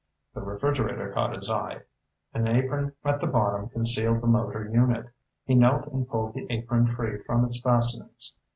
The refrigerator caught his eye. An apron at the bottom concealed the motor unit. He knelt and pulled the apron free from its fastenings.